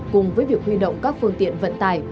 cùng với việc huy động các phương tiện vận tải